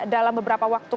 dalam beberapa waktu